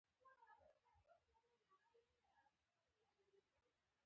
خوړل د ژوند سفر ته توان ورکوي